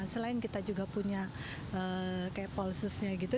selain kita juga punya kayak polsusnya gitu